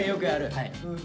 はい。